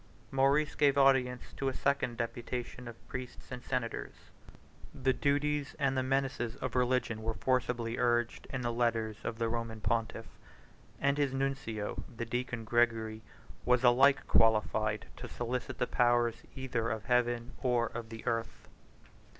Maurice gave audience to a second deputation of priests and senators: the duties and the menaces of religion were forcibly urged in the letters of the Roman pontiff; and his nuncio, the deacon Gregory, was alike qualified to solicit the powers either of heaven or of the earth.